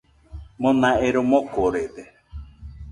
Mona ero mokorede.